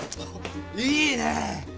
いいねぇ！